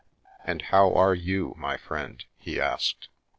" And how are you, my friend? " he asked.